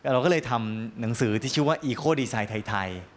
เราก็เลยทำหนังสือที่ชื่อว่าอีโคดีไซน์ไทย